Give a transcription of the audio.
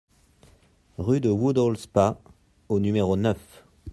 Rue de Woodhall-Spa au numéro neuf